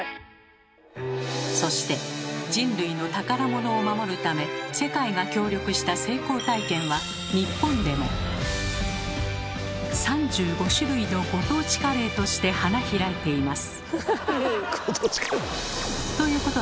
そして人類の宝物を守るため世界が協力した成功体験は日本でも３５種類のご当地カレーとして花開いています。